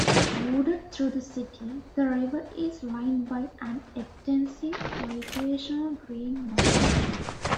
Wooded through the city, the river is lined by an extensive recreational greenbelt.